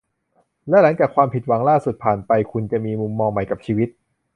และหลังจากความผิดหวังล่าสุดผ่านไปคุณจะมีมุมมองใหม่กับชีวิต